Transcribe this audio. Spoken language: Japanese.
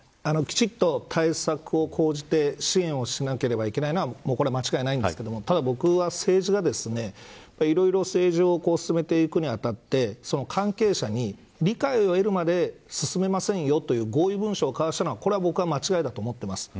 きちんと対策を講じて支援をしなければいけないのは間違いないんですがただ、僕は政治がいろいろ政治を進めていくに当たって関係者に理解を得るまで進めませんよ、という合意文書を交わしたのはこれは間違いだと思っています。